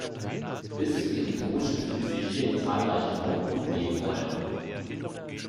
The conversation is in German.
Bis zu ihrem Tod spielte sie hier in zahlreichen Haupt- und Nebenrollen.